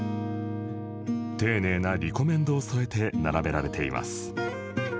丁寧なリコメンドを添えて並べられています